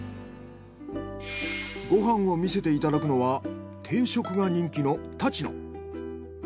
ご飯を見せていただくのは定食が人気のたち野。